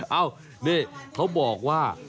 เอ้าเค้าบอกว่า